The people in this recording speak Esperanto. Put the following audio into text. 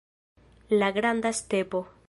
La granda stepo.